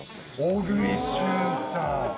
小栗旬さん。